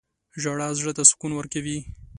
• ژړا زړه ته سکون ورکوي.